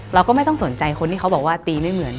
เราก็ไม่ต้องสนใจคนที่เขาบอกว่าตีไม่เหมือน